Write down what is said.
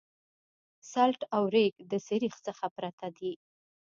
سلټ او ریګ د سریښ څخه پرته دي